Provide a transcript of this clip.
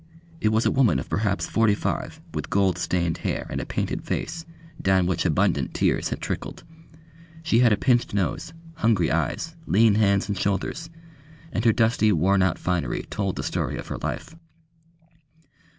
It was a woman of perhaps forty five, with gold stained hair and a painted face, down which abundant tears had trickled; she had a pinched nose, hungry eyes, lean hands and shoulders, and her dusty worn out finery told the story of her life.